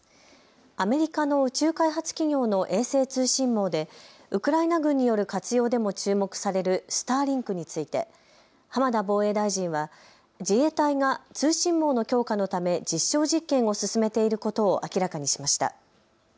アメリカの宇宙開発企業の衛星通信網でウクライナ軍による活用でも注目されるスターリンクについて浜田防衛大臣は自衛隊が通信網の強化のため実証実験を進めていることを明らかにしました。